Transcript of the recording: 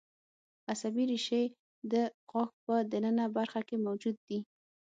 عصبي رشتې د غاښ په د ننه برخه کې موجود دي.